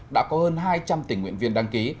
đã có hơn hai trăm linh tình nguyện viên đăng ký